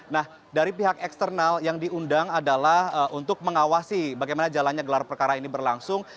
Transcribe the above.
nah dari pihak eksternal yang diundang adalah untuk mengawasi bagaimana jalannya gelar perkara ini berlangsung